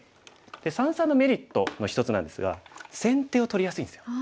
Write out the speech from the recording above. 三々のメリットの一つなんですが先手を取りやすいんですよ。